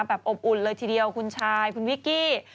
อบอุ่นเลยทีเดียวคุณชายคุณวิกกี้